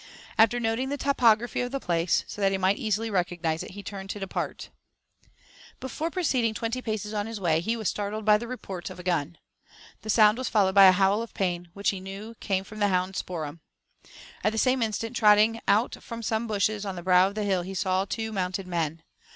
After noting the topography of the place, so that he might easily recognise it, he turned to depart. Before proceeding twenty paces on his way, he was startled by the report of a gun. The sound was followed by a howl of pain, which he knew came from the hound Spoor'em. At the same instant, trotting out from some bushes on the brow of the hill, he saw two mounted men.